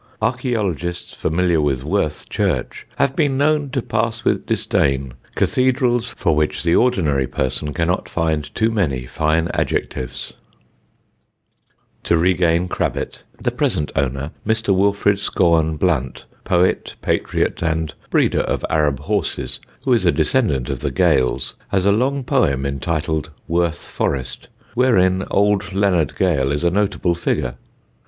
Archæologists familiar with Worth church have been known to pass with disdain cathedrals for which the ordinary person cannot find too many fine adjectives. [Sidenote: MR. BLUNT'S BALLAD] [Sidenote: THE OLD SQUIRE] To regain Crabbet. The present owner, Mr. Wilfred Scawen Blunt, poet, patriot, and breeder of Arab horses, who is a descendant of the Gales, has a long poem entitled "Worth Forest," wherein old Leonard Gale is a notable figure.